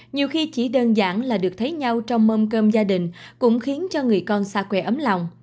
nhiều khi chỉ đơn giản là được thấy nhau trong mâm cơm gia đình cũng khiến cho người con xa quê ấm lòng